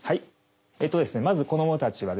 まず子どもたちはですね